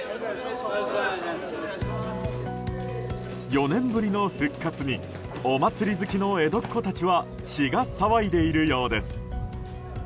４年ぶりの復活にお祭り好きの江戸っ子たちは血が騒いでいるようです。